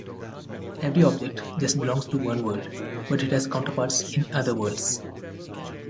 Every object just belongs to one world but it has counterparts in other worlds.